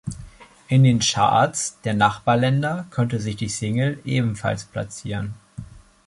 In den Charts der Nachbarländer konnte sich die Single ebenfalls platzieren.